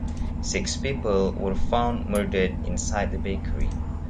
Six people were found murdered inside the bakery.